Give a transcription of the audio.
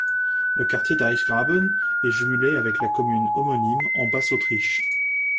Le quartier d‘Eichgraben est jumelé avec la commune homonyme en Basse-Autriche.